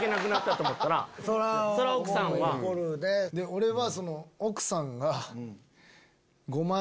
俺は。